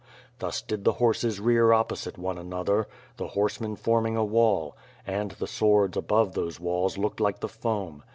Thus did the horses rear opposite one another, the horsemen forming a wall; and the swords above these walls looked like the foam.